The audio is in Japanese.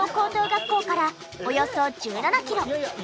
学校からおよそ１７キロ。